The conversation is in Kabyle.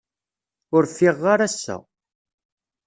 Ur ffiɣeɣ ara ass-a.